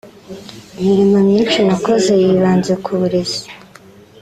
Imirimo myinshi nakoze yibanze ku burezi